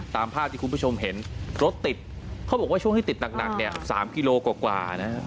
ตามภาพที่คุณผู้ชมเห็นรถติดเขาบอกว่าช่วงที่ติดหนักเนี่ย๓กิโลกว่านะฮะ